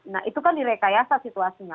nah itu kan direkayasa situasinya